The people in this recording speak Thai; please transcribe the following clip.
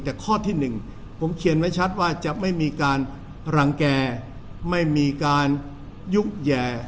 แต่ข้อที่๑ผมเขียนไว้ชัดว่าจะไม่มีการรังแก่ไม่มีการยุกแย่